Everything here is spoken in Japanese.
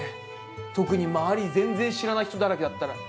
特に周り、全然知らない人だらけだったら。